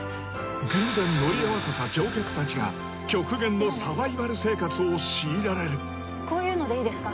偶然乗り合わせた乗客たちが極限のサバイバル生活を強いられるこういうのでいいですか？